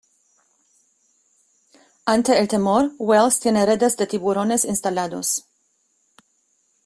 Ante el temor, Wells tiene redes de tiburones instalados.